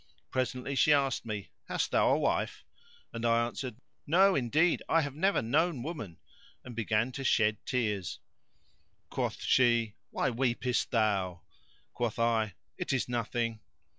Presently she asked me, "Hast thou a wife?"; and I answered "No, indeed: I have never known woman"; and began to shed tears. Quoth she "Why weepest thou?" Quoth I "It is nothing!"